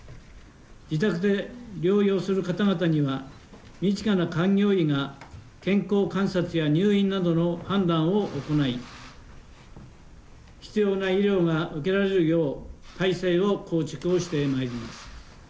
自宅で療養する方々には、身近な開業医が健康観察などの判断を行い、必要な医療が受けられるよう、体制を構築をしてまいります。